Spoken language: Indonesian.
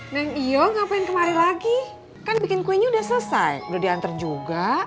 neng yo ngapain kemari lagi kan bikin kuenya udah selesai udah diantar juga